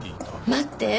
待って！